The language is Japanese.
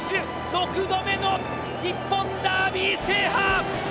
６度目の日本ダービー制覇！